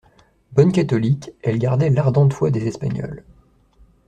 Bonne catholique, elle gardait l'ardente foi des Espagnoles.